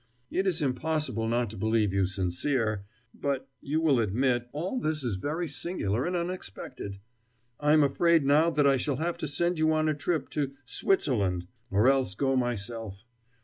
"It is impossible not to believe you sincere. But, you will admit, all this is very singular and unexpected. I am afraid now that I shall have to send you on a trip to Switzerland; or else go myself.